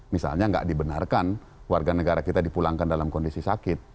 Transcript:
misalnya nggak dibenarkan warga negara kita dipulangkan dalam kondisi sakit